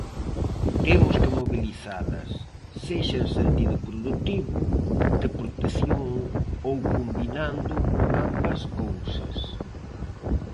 Temos que mobilizalas, sexa en sentido produtivo, de protección ou combinando ambas cousas.